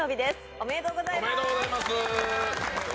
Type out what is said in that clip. おめでとうございます。